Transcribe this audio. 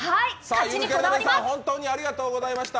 ゆるキャラの皆さん、本当にありがとうございました。